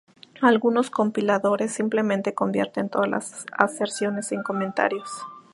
Algunos compiladores simplemente convierten todas las aserciones en comentarios.